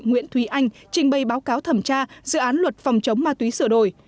nguyễn thúy anh trình bày báo cáo thẩm tra dự án luật phòng chống ma túy sửa đổi